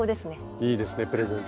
いいですねプレゼント。